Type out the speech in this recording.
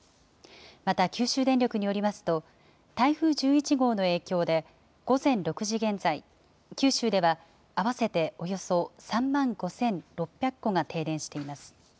また九州電力によりますと、台風１１号の影響で、午前６時現在、九州では合わせておよそ３万５６００戸が停電しています。